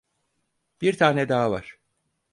Bir tane daha var.